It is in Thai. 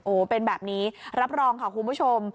โอ้โหเป็นแบบนี้รับรองค่ะคุณผู้ชม